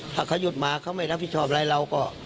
ถ้าเขาหยุดมาเขาไม่รับผิดชอบอะไรเราก็